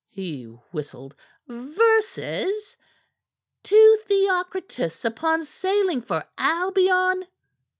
he whistled. "Verses! 'To Theocritus upon sailing for Albion.'